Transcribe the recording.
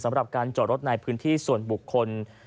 สำหรับการจอดรถในพื้นที่ส่วนบุคคล